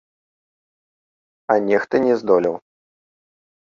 А нехта не здолеў.